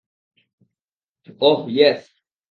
ওহ, yes!